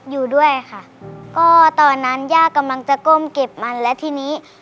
อยู่ด้วยค่ะก็ตอนนั้นย่ากำลังจะก้มเก็บมันแล้วทีนี้